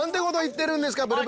こといってるんですか